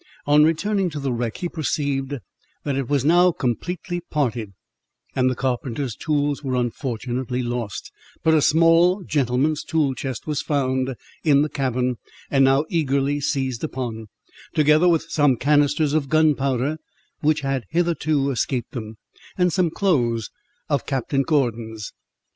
On returning to the wreck, he perceived that it was now completely parted, and the carpenter's tools were unfortunately lost; but a small (gentleman's) tool chest was found in the cabin, and now eagerly seized upon, together with some canisters of gunpowder, which had hitherto escaped them, and some clothes of Captain Gordon's.